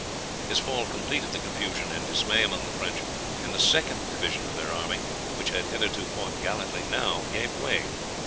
His fall completed the confusion and dismay among the French, and the second division of their army, which had hitherto fought gallantly, now gave way.